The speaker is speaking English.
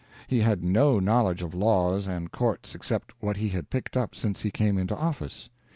He had no knowledge of laws and courts except what he had picked up since he came into office.